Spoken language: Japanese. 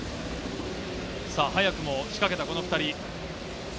早くも仕掛けた２人。